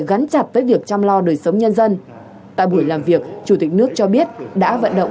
gắn chặt với việc chăm lo đời sống nhân dân tại buổi làm việc chủ tịch nước cho biết đã vận động